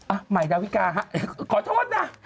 อ่ะใหม่ดาวิกาฮะขอโทษนะ